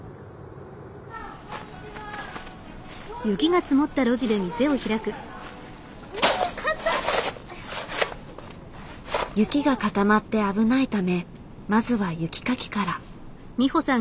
雪が固まって危ないためまずは雪かきから。